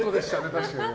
確かに。